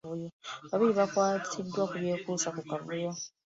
Babiri baakwatiddwa ku byekuusa ku kavuyo.